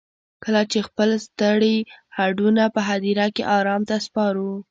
کله چې خپل ستړي هډونه په هديره کې ارام ته سپارو.